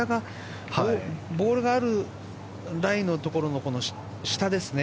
ボールがあるラインのところの下ですね。